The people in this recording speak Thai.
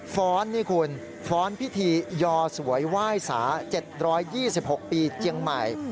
ฟ้อนนี่คุณฟ้อนพิธียอสวยไหว้สา๗๒๖ปีเจียงใหม่